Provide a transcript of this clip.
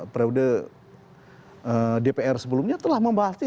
periode dpr sebelumnya telah membahas itu